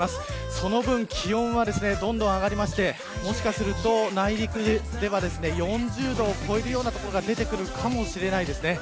そのぶん気温はどんどん上がってもしかすると内陸では４０度を超えるような所が出てくるかもしれません。